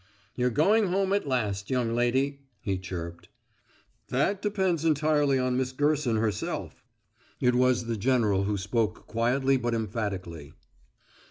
"You're going home at last, young lady," he chirped. "That depends entirely on Miss Gerson herself." It was the general who spoke quietly but emphatically.